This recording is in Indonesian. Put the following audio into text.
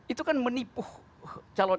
itu kan menipu calon